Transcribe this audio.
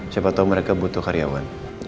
siapa tahu mereka butuh karyawan